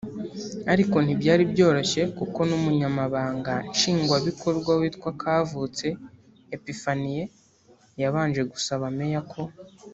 Ariko ntibyari byoroshye kuko n’ Umunyamabanga Nshingwabikorwa witwa Kavutse Epiphanie yabanje gusaba Mayor ko